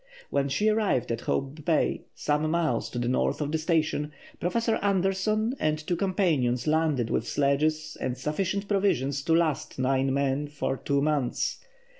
When she arrived at Hope Bay, some miles to the north of the station, Professor Andersson and two companions landed with sledges and sufficient provisions to last nine men for two months.